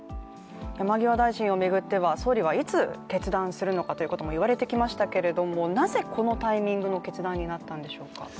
山際大臣を巡っては、総理はいつ決断するのかということも言われてきましたけどもなぜこのタイミングの決断になったんでしょうか。